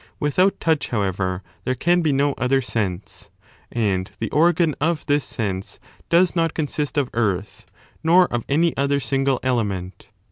Without touch, however, there can be no other sense; and the organ of this sense does not consist of earth nor of any other single element.